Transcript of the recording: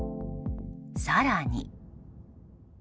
更に。